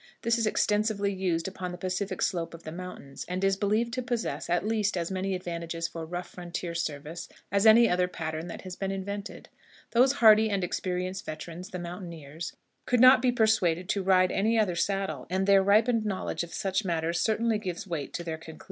This is extensively used upon the Pacific slope of the mountains, and is believed to possess, at least, as many advantages for rough frontier service as any other pattern that has been invented. Those hardy and experienced veterans, the mountaineers, could not be persuaded to ride any other saddle, and their ripened knowledge of such matters certainly gives weight to their conclusions.